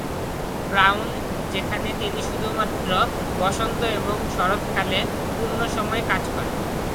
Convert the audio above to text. Brown, যেখানে তিনি শুধুমাত্র বসন্ত এবং শরৎকালে পূর্ণ-সময় কাজ করেন।